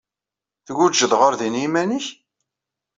Tgujjeḍ ɣer din i yiman-nnek?